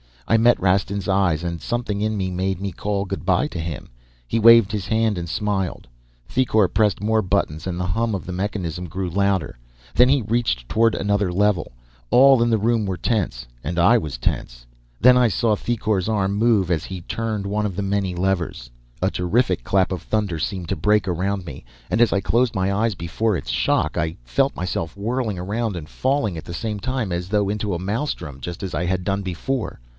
I met Rastin's eyes and something in me made me call goodbye to him. He waved his hand and smiled. Thicourt pressed more buttons and the hum of the mechanisms grew louder. Then he reached toward another lever. All in the room were tense and I was tense. "Then I saw Thicourt's arm move as he turned one of the many levers. "A terrific clap of thunder seemed to break around me, and as I closed my eyes before its shock, I felt myself whirling around and falling at the same time as though into a maelstrom, just as I had done before.